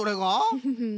フフフ。